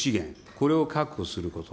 これを確保すること。